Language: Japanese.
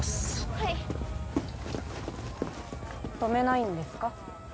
はい止めないんですか？